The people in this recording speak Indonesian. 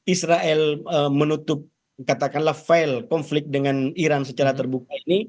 israel menutup katakanlah file konflik dengan iran secara terbuka ini